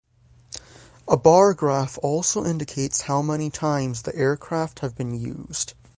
A bar graph also indicates how many times the aircraft have been used.